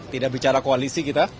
tidak bicara koalisi kita